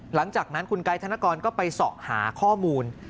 หลังจากนั้นคุณไกด์ธนกรก็ไปสอบหาข้อมูล